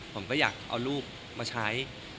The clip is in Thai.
ผมก็อยากเอาลูกมาใช้